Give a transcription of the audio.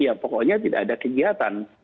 ya pokoknya tidak ada kegiatan